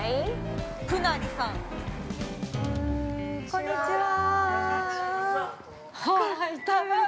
◆こんにちは。